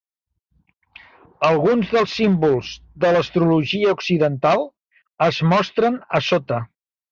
Alguns dels símbols de l'astrologia occidental es mostren a sota.